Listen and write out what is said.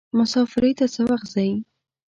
مسافری ته څه وخت ځئ.